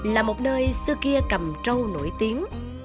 là một nơi xưa kia cầm trâu nổi tiếng